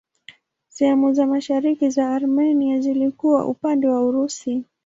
Sehemu za mashariki za Armenia zilikuwa upande wa Urusi.